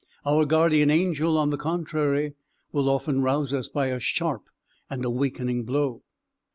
Our guardian angel, on the contrary, will often rouse us by a sharp and awakening blow.